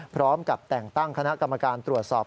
พร้อมกับแต่งตั้งคณะกรรมการตรวจสอบ